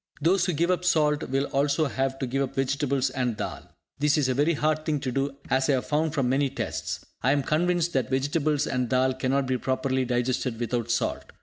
Those who give up salt will also have to give up vegetables and dhall. This is a very hard thing to do, as I have found from many tests. I am convinced that vegetables and dhall cannot be properly digested without salt.